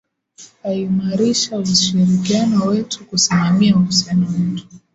aimarisha ushirikiano wetu kusimamia uhusiano wetu